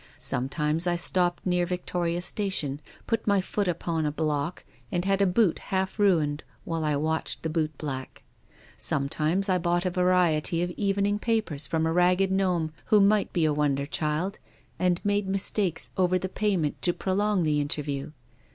Sometimes I stopped near Victoria Station, put my foot upon a block, and had a boot half ruined while I watched the bootblack. Some times I bought a variety of evening papers from a ragged gnome who might be a wonder child, and made mistakes over the payment to prolong the interview.